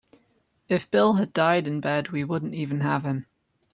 If Bill had died in bed we wouldn't even have him.